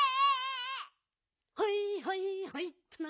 ほいほいほいっとな。